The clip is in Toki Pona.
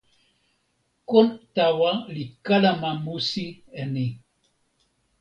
kon tawa li kalama musi e ni.